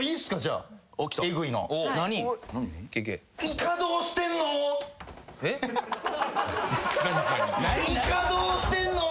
イカどうしてんの？